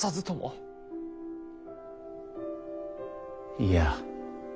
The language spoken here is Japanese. いいや。